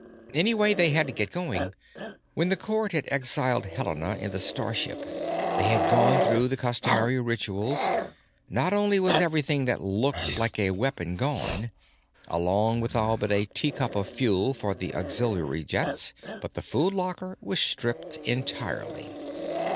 Anyway, they had to get going. When the court had exiled Helena in the starship they had gone through the customary rituals; not only was everything that looked like a weapon gone, along with all but a teacup of fuel for the auxiliary jets, but the food locker was stripped entirely.